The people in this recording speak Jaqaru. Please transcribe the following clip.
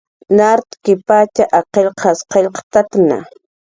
Nart'kipatx ak qillqas qillqt'atna